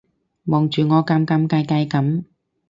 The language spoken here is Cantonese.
望住我尷尷尬尬噉